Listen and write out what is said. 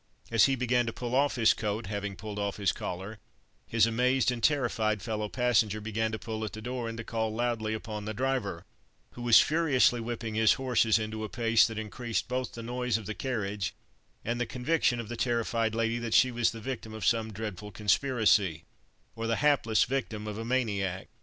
As he began to pull off his coat, having pulled off his collar, his amazed and terrified fellow passenger began to pull at the door, and to call loudly upon the driver, who was furiously whipping his horses into a pace that increased both the noise of the carriage and the conviction of the terrified lady that she was the victim of some dreadful conspiracy, or the hapless victim of a maniac.